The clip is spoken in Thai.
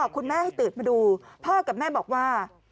คุณแม่ให้ตื่นมาดูพ่อกับแม่บอกว่า